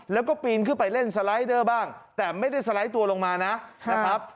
แล้วก็ปีนขึ้นไปเล่นสไลด์เดอร์บ้างแต่ไม่ได้สไลด์ตัวลงมานะครับ